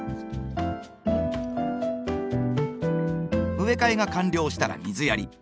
植え替えが完了したら水やり。